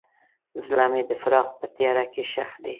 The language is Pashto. زړه مې د فراق په تیاره کې ښخ دی.